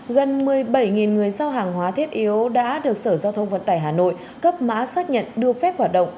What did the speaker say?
gần một mươi bảy người giao hàng hóa thiết yếu đã được sở giao thông vận tải hà nội cấp mã xác nhận đưa phép hoạt động